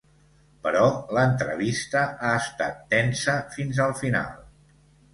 Però l’entrevista ha estat tensa fins al final.